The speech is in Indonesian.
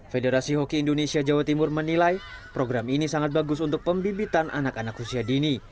federasi hoki indonesia jawa timur menilai program ini sangat bagus untuk pembibitan anak anak usia dini